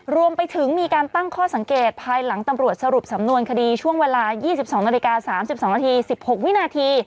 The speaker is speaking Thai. รวมไปถึงมีการตั้งข้อสังเกตภายหลังตำรวจสรุปสำนวนคดีช่วงเวลา๒๒นาฬิกา๓๒นาที๑๖วินาที